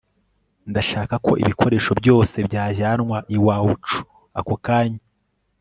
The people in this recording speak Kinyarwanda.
ndashaka ko ibikoresho byose byajyanwa iwacu ako kanya